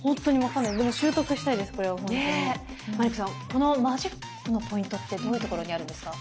このマジックのポイントってどういうところにあるんですか？